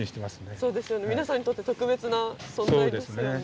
そうですよね、皆さんにとって特別な存在ですよね。